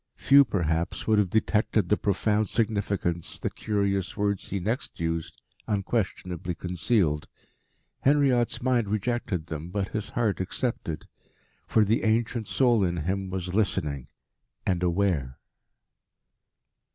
Few perhaps would have detected the profound significance the curious words he next used unquestionably concealed. Henriot's mind rejected them, but his heart accepted. For the ancient soul in him was listening and aware.